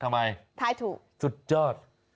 ทำไมทายถูกสุดยอด